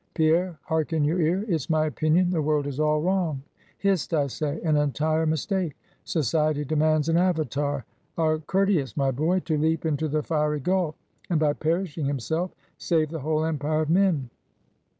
Pierre, hark in your ear; it's my opinion the world is all wrong. Hist, I say an entire mistake. Society demands an Avatar, a Curtius, my boy! to leap into the fiery gulf, and by perishing himself, save the whole empire of men!